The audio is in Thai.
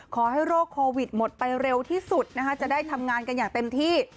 ขอให้โรคโควิดหมดไปเร็วที่สุดนะคะจะได้ทำงานกันอย่างเต็มที่